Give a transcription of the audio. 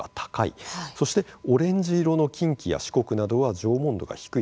そしてオレンジ色の近畿や四国などは縄文度が低い。